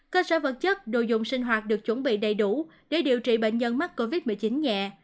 cơ sở vật chất đồ dùng sinh hoạt được chuẩn bị đầy đủ để điều trị bệnh nhân mắc covid một mươi chín nhẹ